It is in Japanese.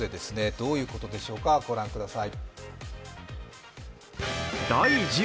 どういうことでしょうか、御覧ください。